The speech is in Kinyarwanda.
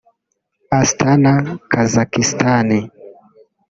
Astana (Kazakhstan)